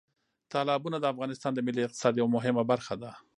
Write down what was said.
تالابونه د افغانستان د ملي اقتصاد یوه مهمه برخه ده.